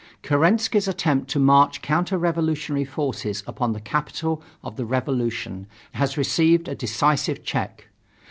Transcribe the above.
Kerensky's attempt to march counter revolutionary forces upon the capital of the revolution has received a decisive check.